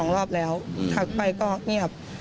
๒รอบแล้วทักไปก็เงียบ